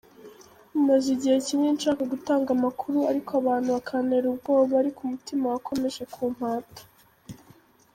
Maze igihe kinini nshaka gutanga amakuru ariko abantu bakantera ubwoba ariko umutima wakomeje kumpata.